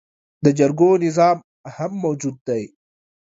د جرګو نظام هم موجود دی